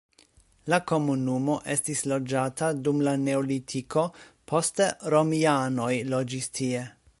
La komunumo estis loĝata dum la neolitiko, poste romianoj loĝis tie.